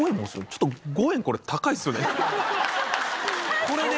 ちょっと５円これ高いですよね。